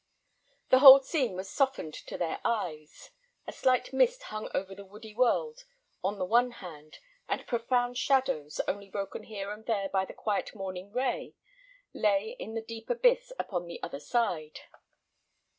The whole scene was softened to their eyes; a slight mist hung over the woody world on the one hand, and profound shadows, only broken here and there by the quiet morning ray, lay in the deep abyss upon the other side.